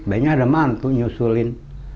bayangnya ada mantu nyusulin